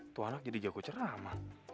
tuhanlah jadi jago ceramah